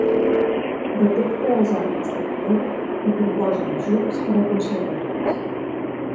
Detecta els àmbits de millora i proposa mesures per aconseguir-les.